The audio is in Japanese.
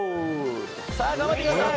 さあ頑張ってください。